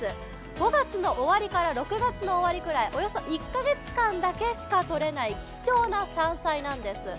５月の終わりから６月の終わりくらい、およそ１か月間しか採れない貴重な山菜なんです。